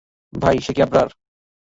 ভাই, সে কি আবরার?